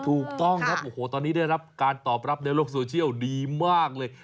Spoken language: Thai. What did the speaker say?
ถูกต้องครับโอ้โหตอนนี้ได้รับการตอบรับในโลกโซเชียลดีมากเลย